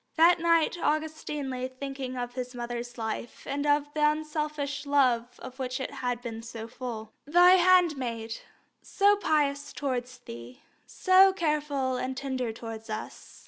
That night Augustine lay thinking of his mother's life and the unselfish love of which it had been so full. "Thy handmaid, so pious towards Thee, so careful and tender towards us.